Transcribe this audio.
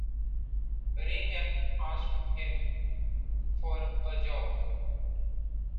Range and asked him for a job.